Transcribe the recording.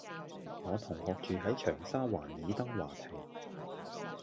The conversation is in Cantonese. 我同學住喺長沙灣爾登華庭